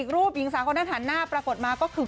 รูปหญิงสาวทางหน้าประกอบมาก็คือ